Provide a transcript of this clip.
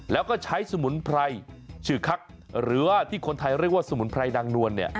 แล้วก็ใช้สมุนไพรชื่อคักหรือว่าที่คนไทยเรียกว่าสมุนไพรนางนวลเนี่ย